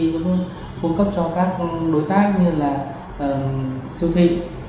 chúng tôi cũng cung cấp cho các đối tác như là siêu thị